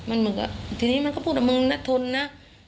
มันเหมือนกับทีนี้มันก็พูดกับมึงนะทนนะ